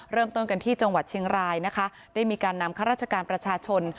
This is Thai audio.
เริ่มต้นกันที่จังหวัดเชียงรายนะคะได้มีการนำข้าราชการประชาชน